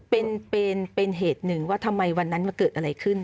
เป็นเหตุหนึ่งว่าทำไมวันนั้นมาเกิดอะไรขึ้น